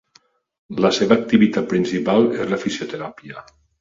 La seva activitat principal és la fisioteràpia.